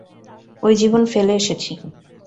ওই জীবন ফেলে এসেছি।